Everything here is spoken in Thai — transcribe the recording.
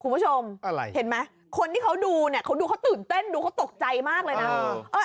คุณผู้ชมเห็นไหมคนที่เขาดูเนี่ยเขาดูเขาตื่นเต้นดูเขาตกใจมากเลยนะ